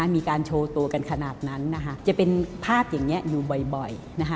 มีการโชว์ตัวกันขนาดนั้นจะเป็นภาพอย่างนี้อยู่บ่อย